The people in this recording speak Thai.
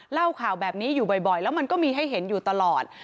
เล่าข่าวแบบนี้อยู่บ่อยแล้วมันก็มีให้เห็นอยู่ตลอด